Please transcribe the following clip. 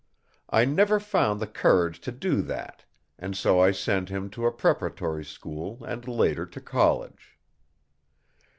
I never found the courage to do that and so I sent him to a preparatory school and later to college.